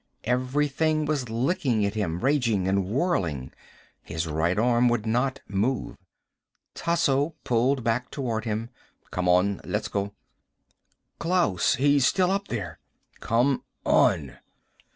Everything was licking at him, raging and whirling. His right arm would not move. Tasso pulled back toward him. "Come on. Let's go." "Klaus He's still up there." "Come on!"